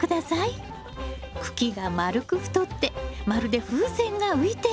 茎が丸く太ってまるで風船が浮いているみたいです。